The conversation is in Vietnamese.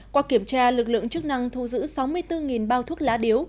qua kiểm tra lực lượng chức năng thu giữ sáu mươi bốn bao thuốc lá điếu